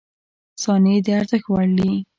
• ثانیې د ارزښت وړ دي.